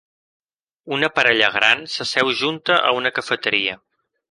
Una parella gran s'asseu junta a una cafeteria.